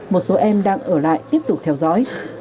một số em đang ở lại tiếp tục theo dõi